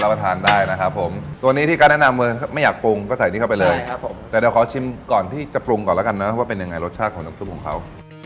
ประทานได้นะครับผมตัวนี้ที่การแนะนำคือไม่อยากปรุงก็ใส่นี้เข้าไปเลยครับผมแต่เดี๋ยวขอชิมก่อนที่จะปรุงก่อนแล้วกันนะว่าเป็นยังไงรสชาติของน้ำซุปของเขา